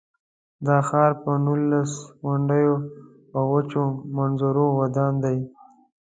دا ښار پر نولس غونډیو او وچو منظرو ودان دی.